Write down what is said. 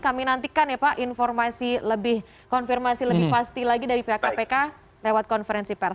kami nantikan ya pak informasi lebih konfirmasi lebih pasti lagi dari pihak kpk lewat konferensi pers